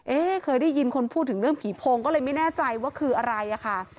เคยได้ยินคนพูดถึงเรื่องผีโพงก็เลยไม่แน่ใจว่าคืออะไรอะค่ะ